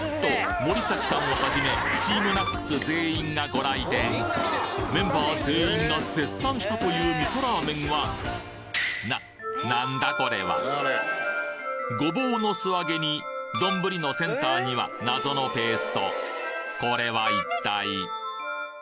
森崎さんを始めＴＥＡＭＮＡＣＳ全員がご来店メンバー全員が絶賛したという味噌ラーメンはななんだこれは？ゴボウの素揚げに丼のセンターには謎のペーストこれは一体？